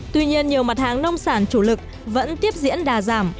tuy nhiên nhiều mặt hàng nông sản chủ lực vẫn tiếp diễn đà giảm